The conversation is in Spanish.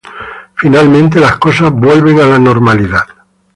Finalmente, las cosas vuelven a la normalidad.